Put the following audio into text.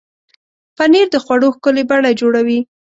پنېر د خوړو ښکلې بڼه جوړوي.